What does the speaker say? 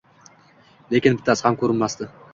Lekin bittasi ham ko‘rinmasdi.